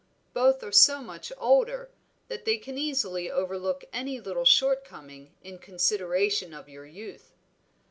Both are so much older, that they can easily overlook any little short coming, in consideration of your youth.